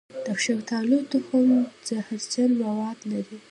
د شفتالو تخم زهرجن مواد لري.